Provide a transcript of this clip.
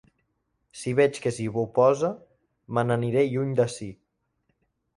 Si veig que s'hi oposa, me n'aniré lluny d'ací.